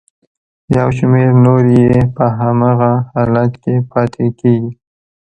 یو شمېر نورې یې په هماغه حالت کې پاتې کیږي.